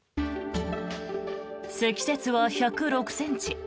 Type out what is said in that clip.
積雪は１０６ｃｍ